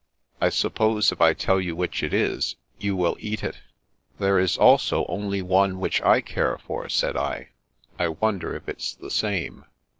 I suppose if I tell you which it is, you will eat it." " There is also only one which I care for," said I. " I wonder if it's the same?